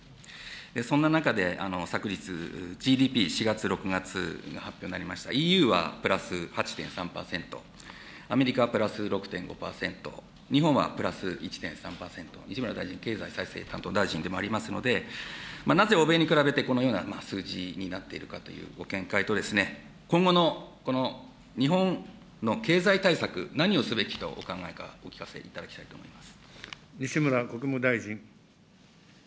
そんな中で、昨日、ＧＤＰ４月、６月が発表になりました、ＥＵはプラス８．３％、アメリカはプラス６．５％、日本はプラス１．３％、西村大臣、経済再生担当大臣でもありますので、なぜ欧米に比べて、このような数字になっているかというご見解と、今後のこの日本の経済対策、何をすべきかをお考えか、お聞かせいただきたい西村国務大臣。